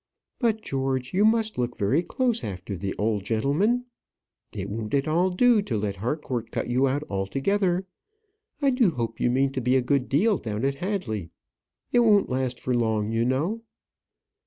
"But, George, you must look very close after the old gentleman. It won't at all do to let Harcourt cut you out altogether. I do hope you mean to be a good deal down at Hadley. It won't last for long, you know."